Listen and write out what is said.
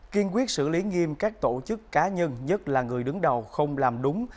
kiên quyết xử lý nghiêm các tổ chức cá nhân nhất là người đứng đầu không làm đúng